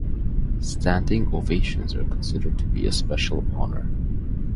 Standing ovations are considered to be a special honor.